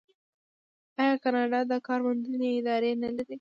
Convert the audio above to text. آیا کاناډا د کار موندنې ادارې نلري؟